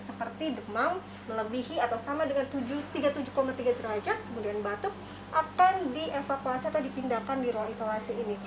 seperti demam melebihi atau sama dengan tiga puluh tujuh tiga derajat kemudian batuk akan dievakuasi atau dipindahkan di ruang isolasi ini